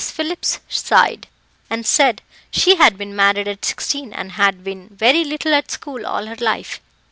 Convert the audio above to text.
Phillips sighed, and said she had been married at sixteen, and had been very little at school all her life.